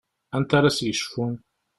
Anta ara s-yecfun?